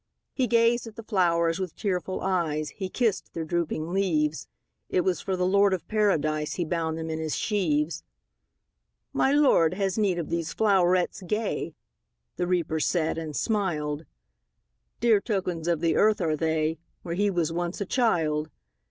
'' He gazed at the flowers with tearful eyes, He kissed their drooping leaves; It was for the Lord of Paradise He bound them in his sheaves. ``My Lord has need of these flowerets gay,'' The Reaper said, and smiled; ``Dear tokens of the earth are they, Where he was once a child.